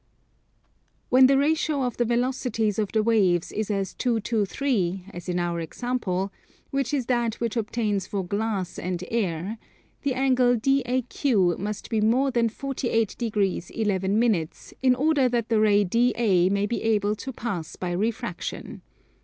When the ratio of the velocities of the waves is as two to three, as in our example, which is that which obtains for glass and air, the angle DAQ must be more than 48 degrees 11 minutes in order that the ray DA may be able to pass by refraction.